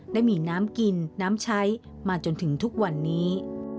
ได้มีน้ำกินน้ำใช้มาจนถึงทุกวันนี้